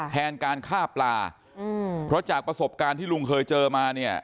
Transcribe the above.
แทนการฆ่าปลาเพราะจากประสบการณ์ที่ลุงเคยเจอมาเนี่ย